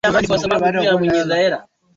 mwanza kwa kweli usalama uko na je ukiangalia